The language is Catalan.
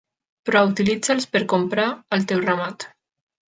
Però utilitza'ls per comprar el teu ramat.